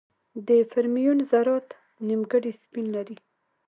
د فرمیون ذرات نیمګړي سپین لري.